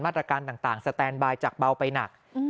ตรการต่างสแตนบายจากเบาไปหนัก